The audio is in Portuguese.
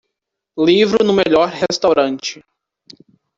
livro no melhor restaurante